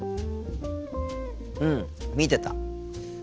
うん見てた。